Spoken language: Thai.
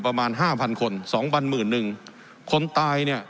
ประมาณห้าพันคนสองพันหมื่นหนึ่งคนตายเนี่ย